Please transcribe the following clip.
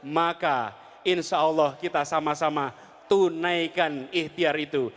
maka insya allah kita sama sama tunaikan ikhtiar itu